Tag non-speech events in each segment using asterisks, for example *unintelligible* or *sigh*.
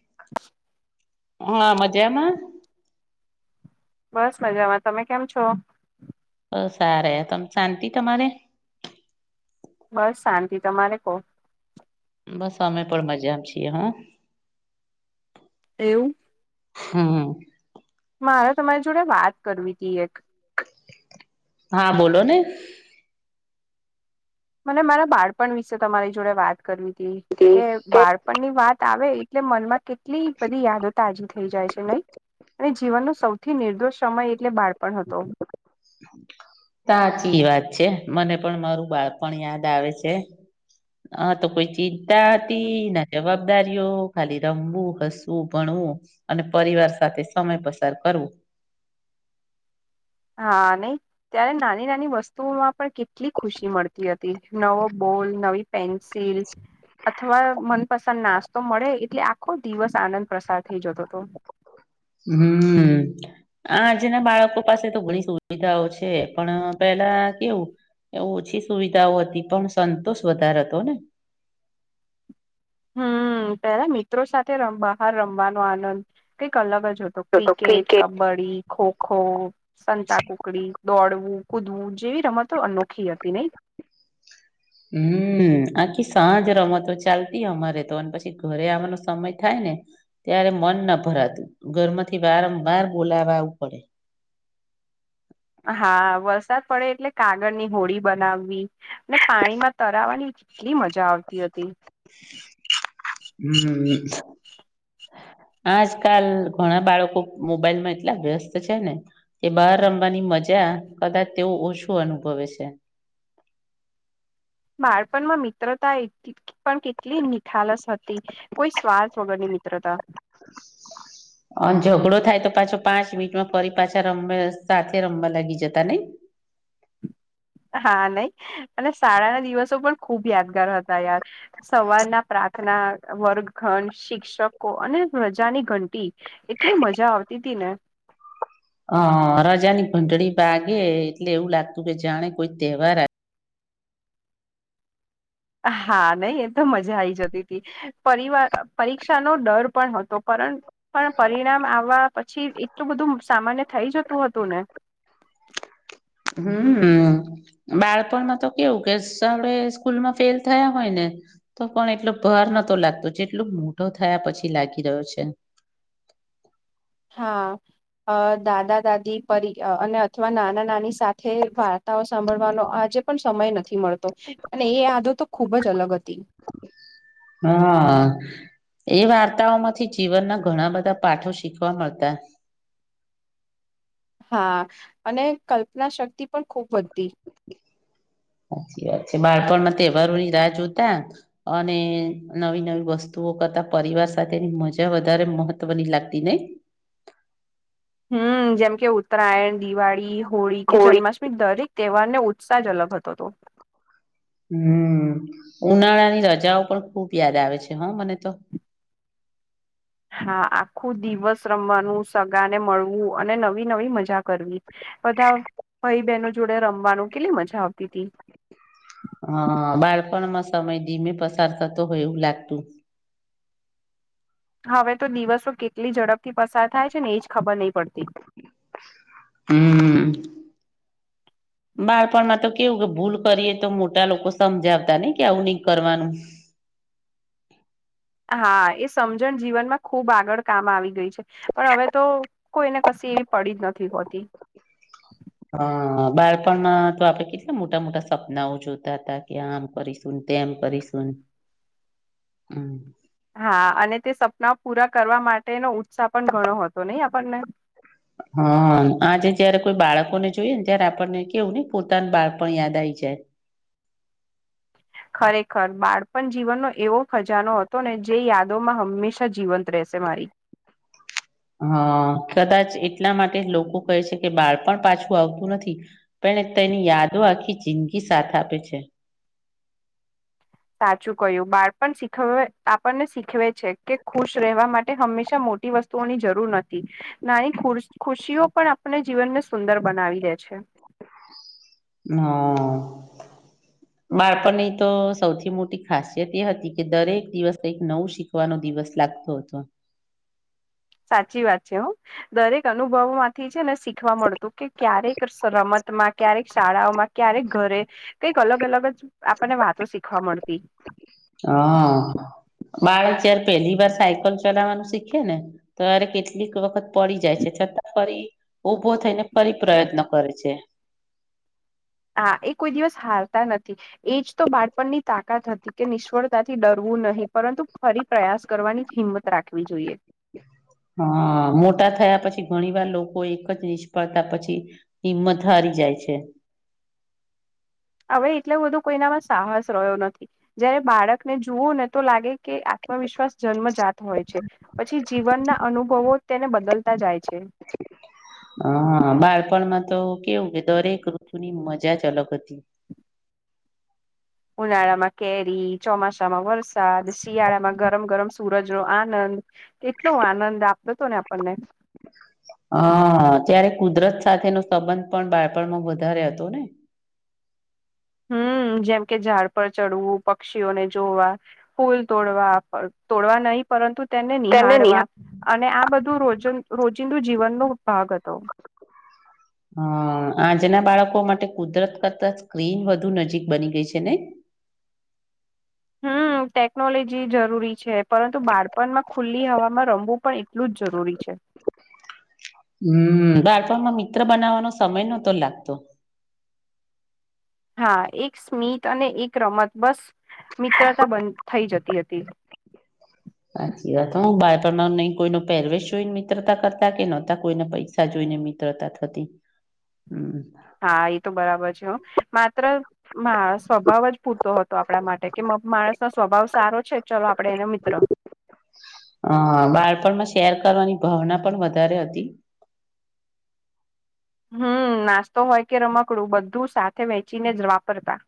*inaudible* *unintelligible* માં મજામાં બસ મજામાં તમે કેમ છો? બવ સારે તમ શાંતિ તમારે? બસ શાંતિ તમારે કોહ બસ અમે પણ મજામ છીએ હો, એવું હમ્મ, મારે તમારી જોડે વાત કરવી હતી, એક હા બોલો ને, મને મારા બાળપણ વિશે તમારી જોડે વાત કરવી હતી, કે બાળપણની વાત આવે એટલે મનમાં કેટલી બધી યાદો તાજી થઈ જાય છે નહી, અને જીવનનો સૌથી નિર્દોષ સમય એટલે બાળ *inaudible* સાચી વાત છે, મને પણ મારું બાળ પણ યાદ આવે છે. *unintelligible* તો કોઈ ચિંતા હતી ના જવાબ દારીઓ ખાલી રમવું હસવું ભણવું અને પરિવાર સાથે સમય પસાર કરવું. હા નય ત્યારે નાની નાની વસ્તુઓમાં પણ કેટ કેટલી ખુશી મળતી હતી, નવો બોલ નવી પેન્સિલ અથવા મનપસંદ નાસ તો મળે એટલે આખો દિવસ આનંદ પ્રસાર થઈ જતો હતો. હમ્મ આજના બાળકો પાસે તો ઘણી સુવિધાઓ છે, પણ પેલા કેવું એ ઓછી સુવિધાઓ હતી, પણ સંતોષ વધારે હતો ને હમ્મ, પેલા મિત્રો સાથે બહાર રમવાનો આનંદ કંઈક અલગ જ હતો. તો ક્રિકેટ કબડ્ડી ખોખો સંતા કુકડી દોડવું કૂદવું જેવી રમતો અનોખી હતી, નઈ હમ્મ, આખી સાંજ રમતો ચાલતી અમારે તો અને પછી ઘરે આવવાનો સમય થાય ને ત્યારે મન ન ભરાતું ઘરમાંથી વારંવાર બોલાવા આવું પડે. હા, વરસાદ પડે એટલે કાગળની હોડી બનાવવી, અને પાણીમાં તરાવાની કેટલી મજા આવતી હતી, હમ્મ આજકાલ ઘણા બાળકો મોબાઈલમાં એટલા વ્યસ્ત છે ને, કે બહાર રમવાની મજા કદાચ તેવું ઓછું અનુભવે છે. બાળપણમાં મિત્રતા એ પણ કેટલી નિખાલસ હતી, કોઈ સ્વાર્થ વગર ની મિત્રતા. *inaudible* અન ઝઘડો થાય તો પાછો પાંચ મિનિટમાં ફરી પાછા રમ સાથે રમવા લાગી જતા નઈ. હા નહી અને શાળાના દિવસો પણ ખુબ યાદગાર હતા યાર સવારના પ્રાર્થના વર્ગ ઘણ શિક્ષકો અને પ્રજાની ઘંટી એટલી મજા આવતી તી ને. હ રજાની ઘંટડી વાગે એટલે એવું લાગતું કે જાણે કોઈ તહેવાર આવ્યો હા નહ એ તો મજા આઈ જતી હતી. પરિવાર પરીક્ષાનો ડર પણ હતો પરંતુ પણ પરિણામ આવવા પછી એટલું બધું સામાન્ય થઇ જતું હતું ને હમ બાળપણમાં તો કેવું કેે સામે સ્કૂલમાં ફેલ થયા હોય ને તો પણ એટલો ભાર નતો લાગતો જેટલું મોટો થયા પછી લાગી રહ્યો છે. હા દાદા દાદી પરી અને અથવા નાના નાની સાથે વાત તો સાંભળવાનો આજે પણ સમય નથી મળતો, અને એ યાદો તો ખુબ જ અલગ હતી. હા એ વાર્તાઓ માંથી જીવનના ઘણા બધા પાઠો શીખવા મળતા. હા અને કલ્પના શક્તિ પણ ખૂબ વધતી. સાચી વાત છે. બાળપણમાં તહેવારો ની રાહ જોતા અને નવી નવી વસ્તુઓ કરતા પરિવાર સાથેની મજા વધારે મહત્વની લાગતી નહીં? હમ જેમ કે ઉત્તરાયણ, દિવાળી, હોળી કે કોળી જન્માષ્ટમી દરેક તહેવારને ઉત્સાહ જ અલગ હતો. હમ ઉનાળાની રજાઓ પણ ખુબ યાદ આવે છે હા મને તો હા આખું દિવસ રમવાનું સગાને મળવું અને નવી નવી મજા કરવી. બધા ભાઈ બહેનો જોડે રમવાનું કેટલી મજા આવતી હતી. હ બાળપણમાં સમય ધીમે પસાર થતો હોય એવું લાગતું. હવે તો દિવસો કેટલી ઝડપથી પસાર થાય છે ને એજ ખબર નહી પડતી. હમ બાળપણમાં તો કેવું કે ભૂલ કરીએ તો મોટા લોકો સમજાવતા ન ઈ કે આવું નહી કરવાનું. હા એ સમજણ જીવનમાં ખુબ આગળ કામ આવી ગઈ. પણ હવે તો કોઈને કશી એવી પડી જ નથી હોતી હ બાળપણના તો આપડે કેટલા મોટા મોટા સપનાઓ જોતા હતા? કે આમ કરીશને, તેમ કરીશને-, હમ હા અને તે સપના પૂરા કરવા માટેનો ઉત્સાહ પણ ઘણો હતો નહી આપણને? હા આજે જયારે કોઈ બાળકોને જોઈએ ને ત્યારે આપણને કેવું ને પોતાનું બાળપણ યાદ આવી જાય. ખરેખર બાળપણ જીવનનો એવો ખજાનો હતો ને જે યાદોમાં હંમેશા જીવંત રહેશે મારી. હ કદાચ એટલા માટે લોકો કહે છે કે બાળપણ પાછું આવતું નથી. પણ તેની યાદો આખી જિંદગી સાથ આપે છે. સાચું કય્યું બાળપ શીખ આપણને શીખવે કે ખુશ રહેવા માટે હંમેશા મોટી વસ્તુ ની જરૂર નથી નાનીુ ખુશીઓ પણ આપને જીવનને સુંદર બનાવી લે છે. હા બાળપણની તો સૌથી મોટી ખાસિયત એ હતી કે દરેક દિવસ નવું શીખ વા ન દિવસ લાગતો હતો. સાચી વાત છે હો. દરેક અનુભવ માંથી છે ને શીખવા મળતું કે ક્યારેક રમતમાં, ક્યારેક શાળાઓમાં ક્યારેક ઘરે કઈક અલગ-અલગ જ આપણને વાતો શીખવા મળતી. હા. બાળક જયારે પહેલી વાર સાયકલ ચલાવવાનું શીખે ને, તોરે કેટલીક વખત પડી જાય છે છતાં ફરી ઉભો થઈને ફરી પ્રયત્ન કરે છે. હા એ કોઈ દિવસ હારતા નથી. એજ તો બાળપણની તાકાત હતી કે નિષ્ફળતાથી ડરવું નહીં, પરંતુ ફરી પ્રયાસ કરવાની જ હિંમત રાખવી જોઈએ. હા મોટા થયા પછી ઘણી વાર લોકો એક જ નિષ્ફળતા પછી હિંમત હારી જાય છે. હવે એટલે બધું કોઈનામાં સાહસ રહ્યો નથી. જયારે બાળકને જુઓને તો લાગે કે આત્મવિશ્વાસ જન્મજાત હોય છે. પછી જીવનના અનુભવો તેને બદલતા જાય છે. હા. બાળપણમાં તો કેવું કે દરેક ઋતુની મજા જ અલગ હતી. ઉનાળામાં કેરી, ચોમાસા માં વરસ સાદ, શિયાળામાં ગરમ-ગરમ સૂરજ નો આનંદ, કેટલો આનંદ આપતો તો ને આપણને. હા. ત્યારે કુદરત સાથે નો સંબંધ પણ બાળપણમાં વધારે હતો ને. હમ્મ. જેમ કે ઝાડ પર ચડવું, પક્ષીઓને જોવા ફૂલ તોડવા, તોડવા નહીં પરંતુ તેને નિહાળવા, અને આ બધું રોજિ રોજિંદું જીવનનો ભાગ હતો. *inaudible* હા. આજના બાળકો માટે કુદરત કરતા સ્ક્રીન વધુ નજીક બની ગઈ છે નહીં? હા. ટેકનોલોજી જરૂરી છે, પરંતુ બાળપણમાં ખુલ્લી હવામાં રમવું પણ એટલું જ જરૂરી છે. હમ્મ. બાળપણમાં મિત્ર બનાવવાનો સમય નહોતો લાગતો. હા. એક સ્મિત અને એક રમત, બસ મિત્રતા બન થઈ જતી હતી. હાચી વાત. હું બાળપણ નહીં કોઈ નો પહેરવેશ જોઈન મિત્રતા કરતા કે નોતા કોઈને પૈસ સા જોઈને મિત્રતા થતી, હમ્મ. હા. ઈ તો બરાબર છે હો. માત્ર માણ સ્વભાવ જ પૂરતો હતો આપણા માટે કે માણસ નો સ્વભાવ સારો છે ચલો આપડે એને મિત્ર. હ બાળપણમાં શેર કરવાની ભાવના પણ વધારે હતી. હમ નાસ્તો હોય કે રમકડું બધું સાથે વેચીને જ વાપરતા.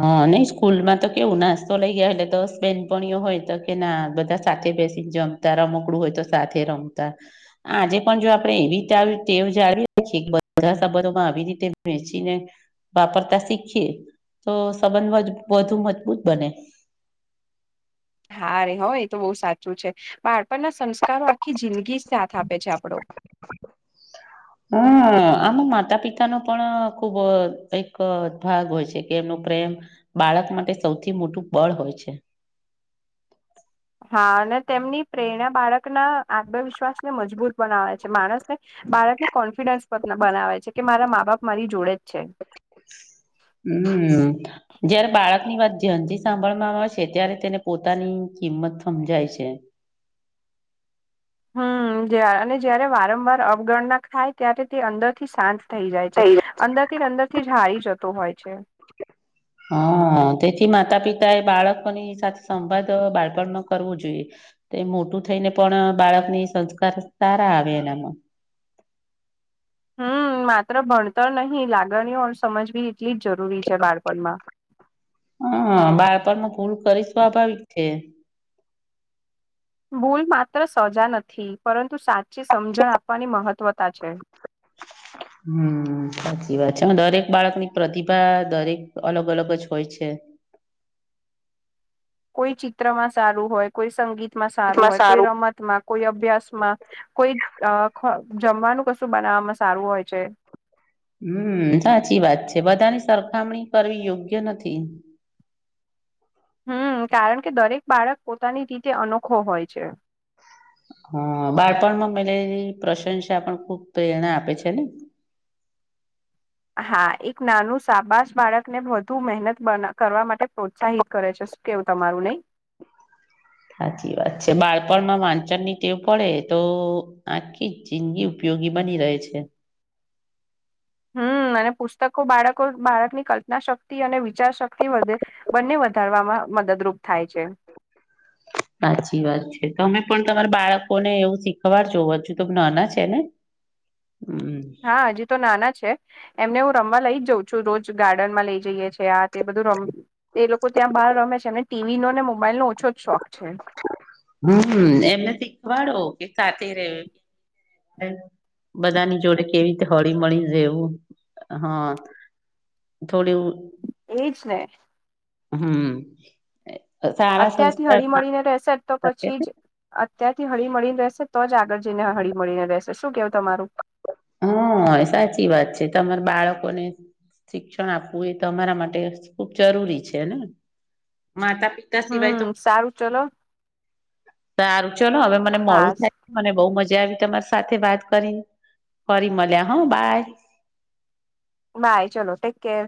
હ નહ સ્કૂલ માં તો કેવું નાસ્તો લઈ ગયા એટલે દસ બેનપણઓ હોય તો કે ના બધા સાથે બેસીને જમતા રમકડું હોય તો સાથે રમતા. આજે પણ જો આપણે એવી રીતે ટેવ જાળવી રા છીએ બધા સંબંધોમાં આવી રીતે વેચીને વાપરતા શીખીએ તો સંબંધ વધુ મજબૂત બને. હા રે હોય તો બહુ સાચું છે બાળપણના સંસ્કારો આખી જિંદગી જ સાથ આપે છે આપડો. *inaudible* હમ આમ માતા પિતા નો પણ ખુબ એક ભાગ હોય છે કે એમનું પ્રેમ બાળક માટે સૌથી મોટું બળ હોય છે. હા અને તેમની પ્રેરણા બાળક ના આત્મવિશ્વાસને મજબૂત બનાવે છે. માણસ ને બાળકને કોન્ફિડન્સ બનાવે છે કે મારા મા બાપ મારી જોડે જ છે. હમ. જયારે બાળકની વાત જ્યાનથી સાંભળવામાં આવે છે ત્યારે તેને પોતાની કિંમત સમજાય છે. હમ જ અને જયારે વારંવાર અવગણના થાય ત્યારે તે અંદર થી શાંત થઈ જાય છે, અંદર થી અંદર થી જ હારી જતો હોય છે. હમ તેથી માતા પિતા એ બાળકોની સાથે સંવાદ બાળપણ ન કરવું જોઈએ. તે મોટું થઈ ને પણ બાળકની સંસ્કાર સારા આવે એનામાં. હમ માત્ર ભણતર નહી લાગણીઓ સમજવી એટલી જ જરૂરી છે બાળપણમાં. હમ બાળપણ ન ભૂલ કરી સ્વાભાવિક છે. ભૂલ માત્ર સજા નથી પરંતુ સાચી સમજણ આપવાની મહત્વતા છે. હમ સાચી વાત છે દરેક બાળક ની પ્રતિભા દરેક અલગ અલગ જ હોય છે. કોઈ ચિત્રમાં સારું હોય કોઈ સંગીતમાં સારું હોય કોઈ રમતમાં કોઈ અભ્યાસમાં કોઈ જમવાનું કશું બનાવવામાં સારું હોય છે. હમ્મ સાચી વાત છે. બધાની સરખામણી કરવી યોગ્ય નથી. હમ્મ. કારણ કે દરેક બાળક પોતાની રીતે અનોખો હોય છે. હા. બાળપણમાં *unintelligible* પ્રશંસા પણ ખુબ પ્રેરણા આપે છે ને. હા એક નાનું શબાસ બાળક ને વધુ મહેનત કરવા માટે પ્રોત્સાહિત કરે છે. કેવું તમારું નહી. સાચી વાત છે, બાળપણમાં વાંચન ની ટેવું પડે તો આખી જ જિંદગી ઉપયોગી બની રહે છે. હમ અને પુસ્તકો બાળકો બાળકની કલ્પના શક્તિ અને વિચાર શક્તિ વધે. બંને વધારવામાં મદદરૂપ થાય છે. સાચી વાત છે તો અમે પણ તમારા બાળકો ને એવું શીખવાડ જોવા છું તો નાના છે ને. હમ્મ હા હજી તો નાના છે. એમને હું રમવા લઈ જ જાઉં છું રોજ ગાર્ડન માં લઈ જઈએ છ છે, આ તે બધું રમ. એ લોકો ત્યાં બહાર રમે છે એમને ટીવી નો ને મોબાઈલ નો ઓછો જ શોખ છે. હ એમ નથી દ ખવાડો કે સાથે ર બધાની જોડે કેવી રીતે હળી મળી જેવું હા. થોડ. એજ ને. હમ્મ અત્યારથી હળી મળીને રહેશે જ તો શકે પછી જ. અત્યારથી હળી મળીને રહેશે તો જ આગળ જઈને હળી મળીને રહેશે શું કેવું તમારુ હા સાચી વાત છે તમારા બાળકોને શિક્ષણ આપવું એ તો અરા માટે ખુબ જરૂરી છેને માતા પિતા સિવાય તો હમ સારું ચલો તારું ચ હવે મને મળું હા થાય. મને બહુ મજા આવી તમારી સાથે વાત કરી ફરી મળલ્યા હા બાય. બાય ચલો ટેક કેર